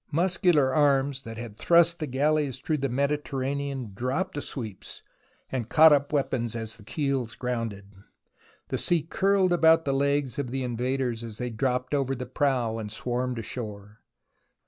Muscular arms that had thrust the galleys through the Mediterranean, dropped the sweeps and caught up weapons as the keels grounded. The sea curled about the legs of the invaders as they dropped over the prow and swarmed ashore.